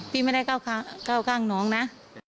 พี่ไม่ได้ก้าวข้างน้องนะ